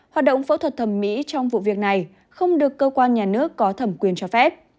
hoạt động phẫu thuật thẩm mỹ trong vụ việc này không được cơ quan nhà nước có thẩm quyền cho phép